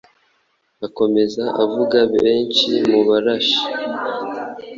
akomeza avuga benshi mu barashi